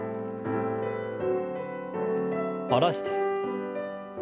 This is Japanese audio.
下ろして。